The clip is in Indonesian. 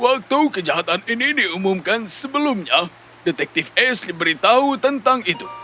waktu kejahatan ini diumumkan sebelumnya detektif ace diberitahu tentang itu